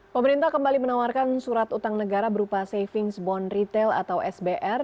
pemerintah kembali menawarkan surat utang negara berupa savings bond retail atau sbr